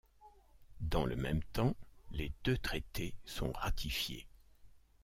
Dans le même temps, les deux traités sont ratifiés.